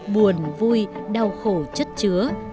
buồn vui đau khổ chất chứa